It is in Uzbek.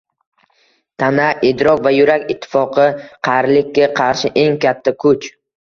Tana, idrok va yurak ittifoqi qarilikka qarshi eng katta kuch.